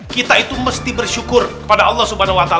kita itu mesti bersyukur kepada allah swt